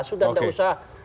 sudah tidak usah